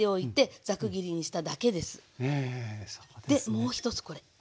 もう一つこれ。